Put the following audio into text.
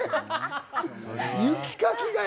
雪かきが。